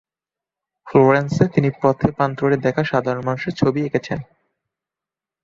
ফ্লোরেন্সে তিনি পথে প্রান্তরে দেখা সাধারণ মানুষের ছবি এঁকেছেন।